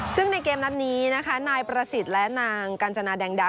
ซึ่งในเกมนัดนี้นะคะนายประสิทธิ์และนางกัญจนาแดงดา